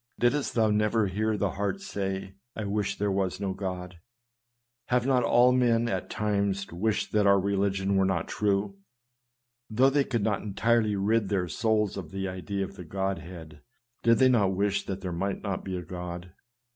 Didst thou never hear the heart say, " I wish there were no God ?" Have not all men, at times, wished that our religion were not true ? Though they could not entirely rid their souls of the idea of the Godhead, did they not wish that there might not be a God?